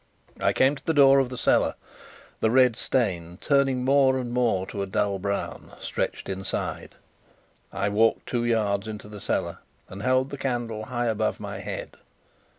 I came to the door of the cellar. The red stain turning more and more to a dull brown, stretched inside. I walked two yards into the cellar, and held the candle high above my head.